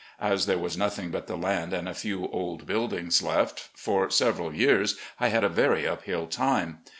As there was nothing but the land and a few old buildings left, for several years I had a very up hill time.